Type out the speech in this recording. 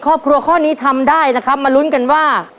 ครอบครัวของแม่ปุ้ยจังหวัดสะแก้วนะครับ